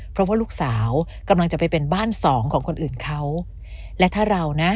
เพราะว่าลูกสาวกำลังจะไปเป็นบ้านสองของคนอื่นเขาและถ้าเรานะ